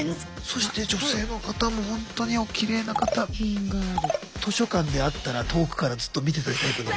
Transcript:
そして女性の方もほんとに図書館で会ったら遠くからずっと見てたいタイプの。